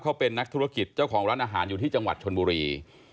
เขาเป็นนักธุรกิจเจ้าของร้านอาหารอยู่ที่จังหวัดชนบุรี